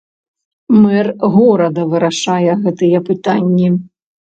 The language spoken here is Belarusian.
Мэр горада вырашае гэтыя пытанні.